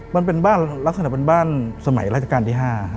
มันเป็นบ้านลักษณะเป็นบ้านสมัยราชการที่๕ครับ